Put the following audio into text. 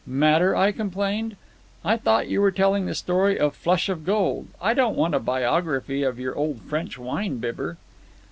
"Matter?" I complained. "I thought you were telling the story of Flush of Gold. I don't want a biography of your old French wine bibber."